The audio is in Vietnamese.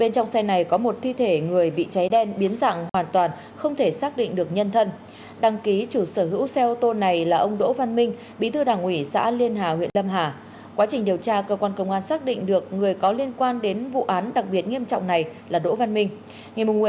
trước đó công an tỉnh đắk nông vừa bắt khẩn cấp ông đỗ văn minh bí thư đảng ủy xã liên hà huyện lâm hà tỉnh đắk som huyện đắk long xe ô tô bán tải biển kiểm soát năm mươi một c bảy mươi một nghìn năm trăm bảy mươi bị cháy rụi